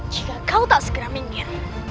jika kau tak segera minggir